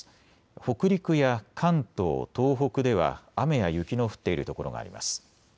北陸や関東、東北では雨や雪の降っている所があります。